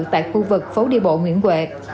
tại khu vực phố đi bộ nguyễn huệ